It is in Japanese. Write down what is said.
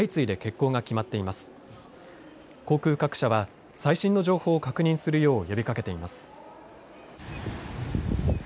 航空各社は最新の情報を確認するよう呼びかけています。